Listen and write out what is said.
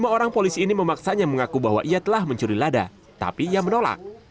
lima orang polisi ini memaksanya mengaku bahwa ia telah mencuri lada tapi ia menolak